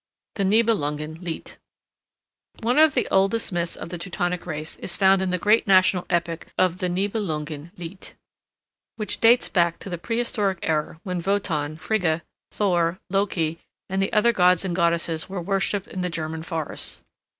THE NIBELUNGEN LIED One of the oldest myths of the Teutonic race is found in the great national epic of the Nibelungen Lied, which dates back to the prehistoric era when Wotan, Frigga, Thor, Loki, and the other gods and goddesses were worshipped in the German forests.